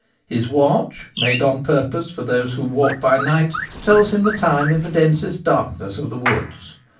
His watch, made on purpose for those who walk by night, tells him the time in the densest darkness of the woods.